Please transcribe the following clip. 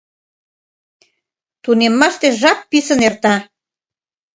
Тунеммаште жап писын эрта.